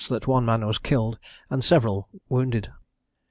329_] that one man was killed, and several wounded.